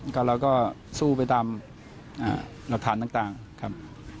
ก็เราก็สู้ไปตามหลักฐานต่างครับ